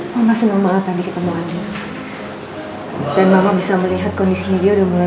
mama senang banget tadi ketemu andi dan mama bisa melihat kondisi dia udah mulai